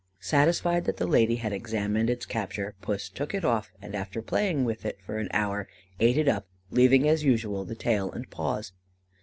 Satisfied that the lady had examined its capture, Puss took it off, and after playing with it for an hour, ate it up, leaving, as usual, the tail and paws.